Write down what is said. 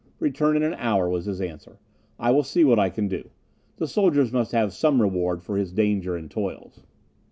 "Return in an hour," was his answer; "I will see what I can do; the soldier must have some reward for his danger and toils."